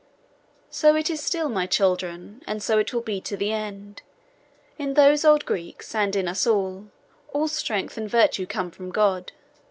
So it is still, my children, and so it will be to the end. In those old Greeks, and in us also, all strength and virtue come from God.